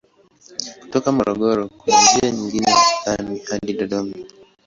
Kutoka Morogoro kuna njia nyingine ya lami hadi Dodoma.